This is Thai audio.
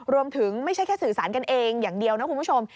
ไม่ใช่แค่สื่อสารกันเองอย่างเดียวนะคุณผู้ชม